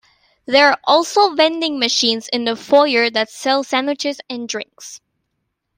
There are also vending machines in the foyer that sell sandwiches and drinks.